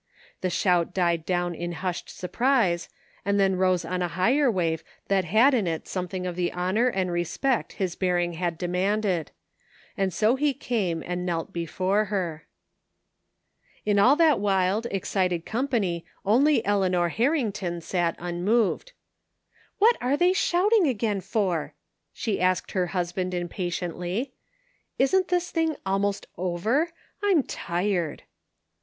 The shouit died down in hushed surprise, and then rose on a higher wave that had in it something of the honor and respect his bearing had demanded. And so he came and knelt before her. In all that wild, excited company only Eleanor Harrington sat unmoved. ^* What are they shouting again for ?" she asked her husband impatiently. " Isn't this thing almost over? I'm tired."